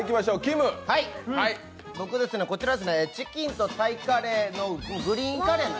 チキンとタイカレーのグリーンカレー。